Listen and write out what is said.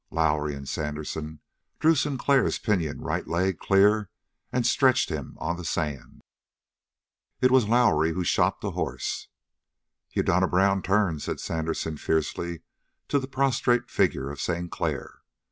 Lowrie and Sandersen drew Sinclair's pinioned right leg clear and stretched him on the sand. It was Lowrie who shot the horse. "You've done a brown turn," said Sandersen fiercely to the prostrate figure of Sinclair.